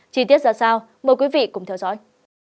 chi tiết ra sao mời quý vị cùng theo dõi